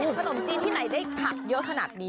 ไม่เคยเห็นขนมจีนที่ไหนได้ผักเยอะขนาดนี้